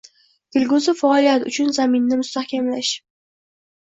kelgusi faoliyat uchun zaminni mustahkamlash